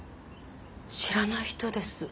知らない人です。